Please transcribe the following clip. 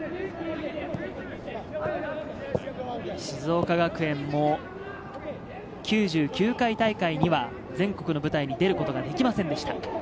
静岡学園も９９回大会には全国の舞台に出ることができませんでした。